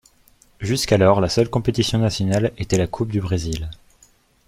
Jusqu'alors la seule compétition nationale était la coupe du Brésil.